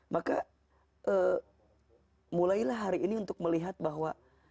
maka mulailah hari ini untuk melihat bahwa